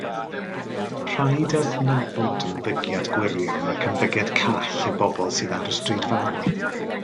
Rhaid adnabod ymddygiad gwirion ac ymddygiad call y bobl sydd ar y stryd fawr.